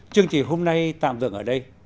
chương trình hôm nay tạm dừng ở đây